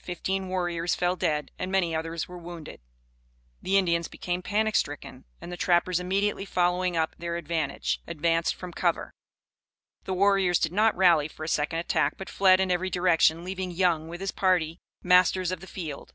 Fifteen warriors fell dead, and many others were wounded. The Indians became panic stricken, and the trappers immediately following up their advantage, advanced from cover. The warriors did not rally for a second attack, but fled in every direction, leaving Young, with his party, masters of the field.